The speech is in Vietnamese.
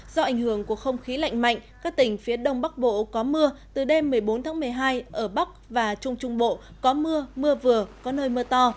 do ảnh hưởng của không khí lạnh mạnh các tỉnh phía đông bắc bộ có mưa từ đêm một mươi bốn tháng một mươi hai ở bắc và trung trung bộ có mưa mưa vừa có nơi mưa to